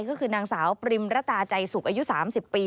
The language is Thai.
ก็คือนางสาวปริมระตาใจสุขอายุ๓๐ปี